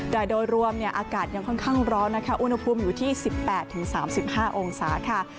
โดยรวมอากาศยังค่อนข้างร้อนนะคะอุณหภูมิอยู่ที่๑๘๓๕องศาค่ะ